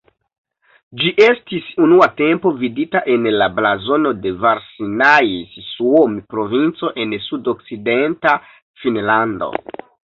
Ĝi estis unua tempo vidita en la blazono de Varsinais-Suomi, provinco en sudokcidenta Finnlando.